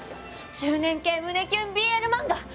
中年系胸キュンＢＬ漫画！